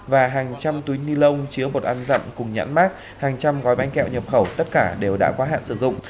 và hàng trăm túi ni lông chứa bột ăn dặn cùng nhãn mát hàng trăm gói bánh kẹo nhập khẩu tất cả đều đã quá hạn sử dụng